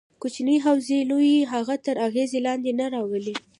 کوچنۍ حوزې لویې هغه تر اغېز لاندې رانه ولي.